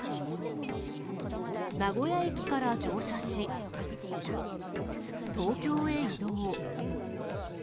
名古屋駅から乗車し、東京へ移動。